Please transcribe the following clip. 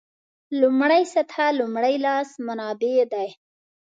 لومړۍ سطح لومړي لاس منابع دي.